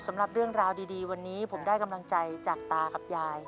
สำหรับเรื่องราวดีวันนี้ผมได้กำลังใจจากตากับยาย